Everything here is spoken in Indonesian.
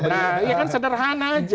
nah ya kan sederhana aja